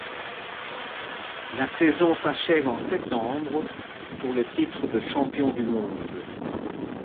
La saison s'achève en septembre sur le titre de champion du monde.